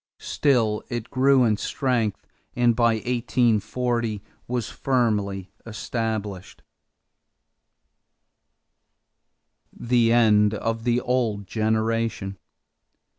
Still it grew in strength and by 1840 was firmly established. =The End of the Old Generation.